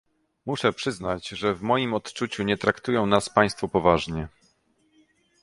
Musze przyznać, że w moim odczuciu nie traktują nas państwo poważnie